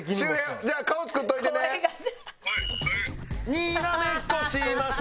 「にらめっこしましょ」